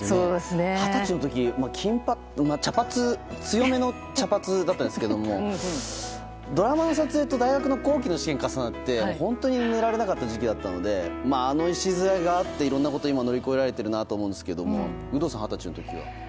二十歳の時強めの茶髪だったんですけどドラマの撮影と大学の後期試験の勉強が重なって本当に寝られなかった時期だったのであの礎があっていろんなことを乗り越えられてるなと思うんですけど有働さんが二十歳の時は？